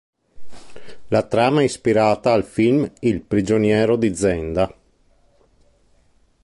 La trama è ispirata al film "Il prigioniero di Zenda".